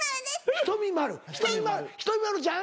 ひとみ〇ちゃん？